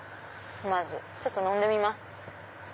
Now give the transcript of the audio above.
まずちょっと飲んでみます。